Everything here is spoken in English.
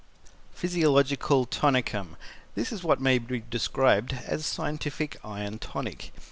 ] Physiological Tonicum This is what may be described as a scientific iron tonic.